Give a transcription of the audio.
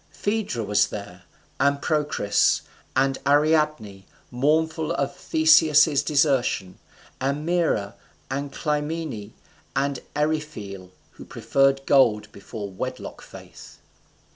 Phaedra was there, and Procris, and Ariadne, mournful for Theseus's desertion, and Maera, and Clymene, and Eryphile, who preferred gold before wedlock faith.